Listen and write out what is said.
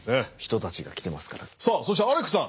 さあそしてアレックさん。